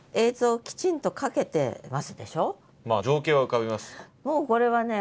まあ情景は浮かびます。